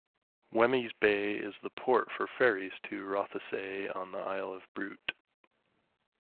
Wemyss Bay is the port for ferries to Rothesay on the Isle of Bute.